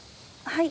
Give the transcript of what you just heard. はい。